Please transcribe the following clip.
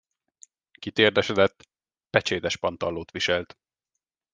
Kitérdesedett, pecsétes pantallót viselt.